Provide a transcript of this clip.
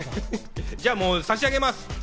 じゃあもう差し上げます。